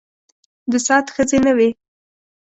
د سعد ښځې نه وې.